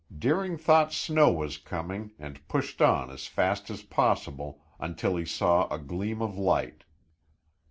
Deering thought snow was coming and pushed on as fast as possible, until he saw a gleam of light.